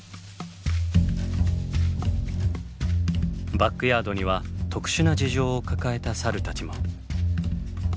バックヤードには特殊な事情を抱えたサルたちも。